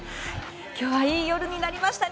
今日はいい夜になりましたね！